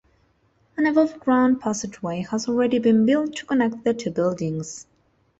An above ground passageway has already been built to connect the two buildings.